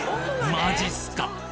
マジすか！？